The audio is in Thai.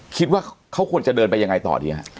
คิดว่าเขาควรจะเดินไปยังไงต่อดีฮะ